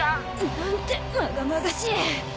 何てまがまがしい。